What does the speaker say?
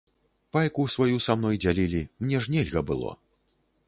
Пайку сваю са мной дзялілі, мне ж нельга было!